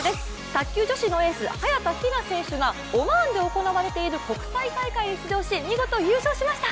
卓球女子のエース、早田ひな選手がオマーンで行われている国際大会に出場し、見事優勝しました。